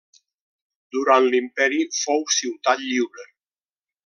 Durant l'imperi fou ciutat lliure.